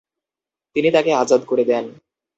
তিনি তাকে আযাদ করে দেন।